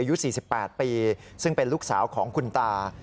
อายุ๔๘ปีซึ่งเป็นลูกสาวของคุณตา